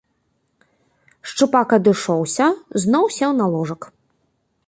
Шчупак адышоўся, зноў сеў на ложак.